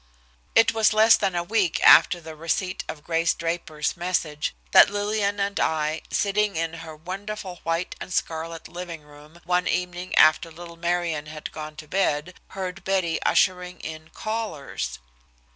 It was less than a week after the receipt of Grace Draper's message, that Lillian and I, sitting in her wonderful white and scarlet living room, one evening after little Marion had gone to bed, heard Betty ushering in callers.